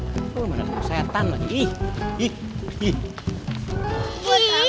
kok lu merasa kayak setan lagi ih ih ih